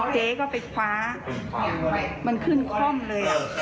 เจ๊ก็ไปคว้ามันขึ้นคล่อมเลย